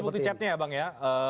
ini butuh chatnya ya bang ya